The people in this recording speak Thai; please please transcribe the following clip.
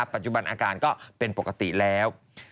ปัจจุบันอาการก็เป็นปกติแล้ว